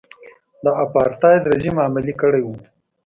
د اپارټایډ رژیم عملي کړی و.